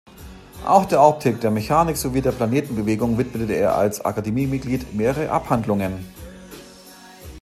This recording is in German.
Auch der Optik, der Mechanik sowie der Planetenbewegung widmete er als Akademiemitglied mehrere Abhandlungen.